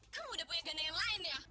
kamu udah punya ganda yang lain ya